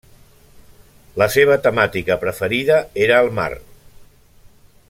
La seva temàtica preferida era el mar.